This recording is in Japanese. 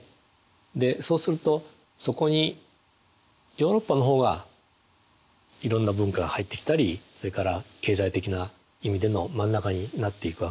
でそうするとそこにヨーロッパの方がいろんな文化が入ってきたりそれから経済的な意味での真ん中になっていくわけですよ。